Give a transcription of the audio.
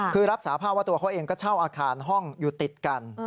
คือรับสาภาพว่าตัวเขาเองก็เช่าอาคารห้องอยู่ติดกัน